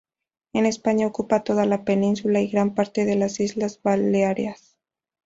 En España ocupa toda la península y gran parte de las Islas Baleares.